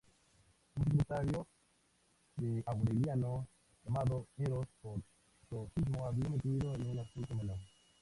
Un secretario de Aureliano, llamado Eros por Zósimo, había mentido en un asunto menor.